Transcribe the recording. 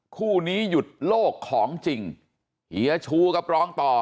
คู่นี้หยุดโลกของจริงเฮียชูกับรองต่อ